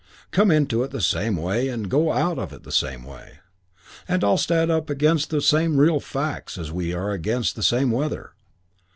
Come into it the same way and go out of it the same way; and all up against the same real facts as we are against the same weather.